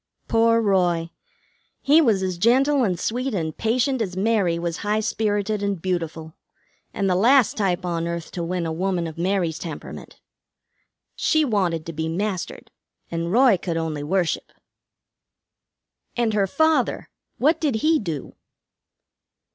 Poor Roy! He was as gentle and sweet and patient as Mary was high spirited and beautiful, and the last type on earth to win a woman of Mary's temperament. She wanted to be mastered, and Roy could only worship." "And her father what did he do?"